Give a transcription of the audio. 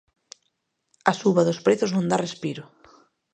A suba dos prezos non dá respiro.